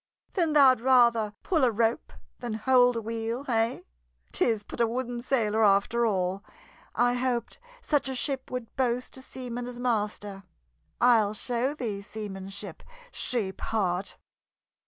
"Then thou'd rather pull a rope than hold a wheel, hey? 'Tis but a wooden sailor, after all. I hoped such a ship would boast a seaman as master. I'll show thee seamanship, sheep heart!"